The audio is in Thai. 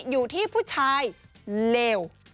อยู่ที่ผู้ชายเลว